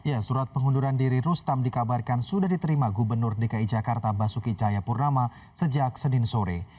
ya surat pengunduran diri rustam dikabarkan sudah diterima gubernur dki jakarta basuki cahayapurnama sejak senin sore